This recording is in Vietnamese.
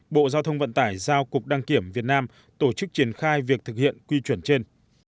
bộ giao thông vận tải giao cục đăng kiểm việt nam tổ chức triển khai việc thực hiện quy chuẩn trên